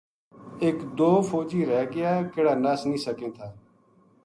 ایک دو فوجی رہ گیاکِہڑا نس نیہہ سکیں تھا